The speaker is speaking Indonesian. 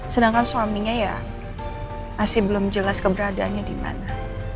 sedangkan suaminya ya masih belum jelas keberadaannya dimana